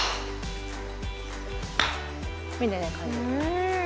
みたいな感じで。